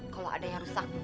kalau ada yang rusak